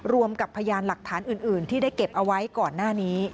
รวมกับพยานหลักฐานอื่นที่ได้เก็บเอาไว้ก่อนหน้านี้